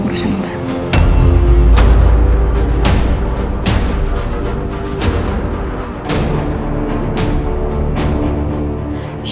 stimulasi di angle budget